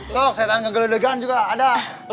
sok setan kegeledegan juga ada